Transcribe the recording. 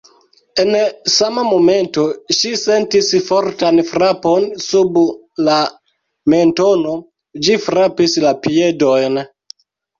En sama momento ŝi sentis fortan frapon sub la mentono. Ĝi frapis la piedojn!